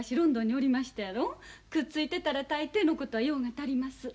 くっついてたら大抵のことは用が足ります。